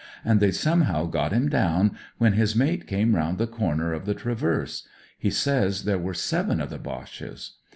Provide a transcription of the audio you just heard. And they'd somehow got him down, when his mate came round the comer of the traverse. He says there were seven of the Boches.